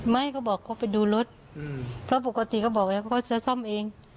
เขาบอกเขาไปดูรถเพราะปกติเขาบอกแล้วเขาจะซ่อมเอง